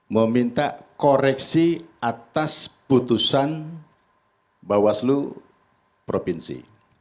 meminta koreksi atas putusan bawah seluruh provinsi